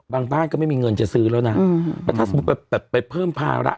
บ้านก็ไม่มีเงินจะซื้อแล้วนะแล้วถ้าสมมุติแบบไปเพิ่มภาระ